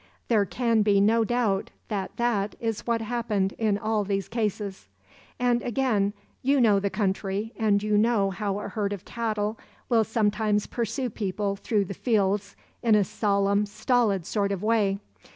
There can be no doubt that that is what happened in all these cases. "And again; you know the country and you know how a herd of cattle will sometimes pursue people through the fields in a solemn, stolid sort of way.